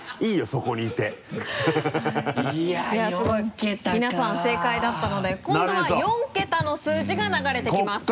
すごい皆さん正解だったので今度は４ケタの数字が流れてきます。